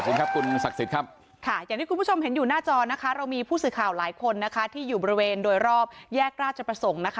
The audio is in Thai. อย่างที่คุณผู้ชมเห็นอยู่หน้าจอเรามีผู้สื่อข่าวหลายคนที่อยู่บริเวณโดยรอบแยกราชประสงค์